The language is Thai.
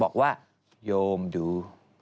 บอกว่าโยมดู